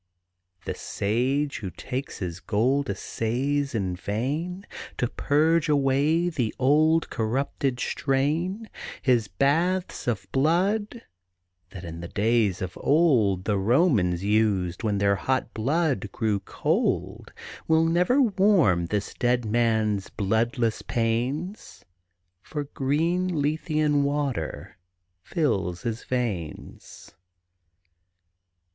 The sage who takes his gold essays in vain To purge away the old corrupted strain, His baths of blood, that in the days of old The Romans used when their hot blood grew cold, Will never warm this dead man's bloodless pains, For green Lethean water fills his veins.